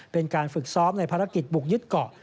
เป็นการฝึกซ้อมในภารกิจบุกยึดเกาะ